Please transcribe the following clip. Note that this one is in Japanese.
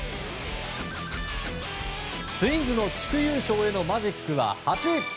ツインズの地区優勝へのマジックは８。